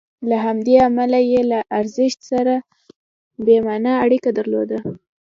له همدې امله یې له ارزښت سره بې معنا اړیکه درلوده.